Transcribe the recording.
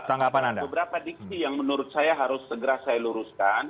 ada beberapa diksi yang menurut saya harus segera saya luruskan